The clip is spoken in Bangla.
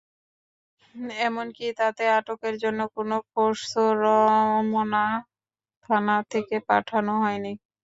এমনকি তাঁকে আটকের জন্য কোনো ফোর্সও রমনা থানা থেকে পাঠানো হয়নি।